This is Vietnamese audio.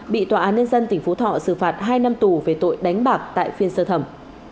bị tòa án nhân dân tỉnh phú thọ xử phạt hai năm tù về tội đánh bạc tại phiên sơ thẩm